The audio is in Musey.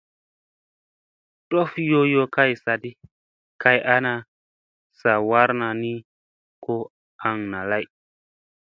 Tof yoyoo kay saaɗi kay ana zawaar na ni ko aŋ naa lay.